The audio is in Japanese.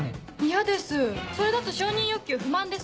嫌ですそれだと承認欲求不満です。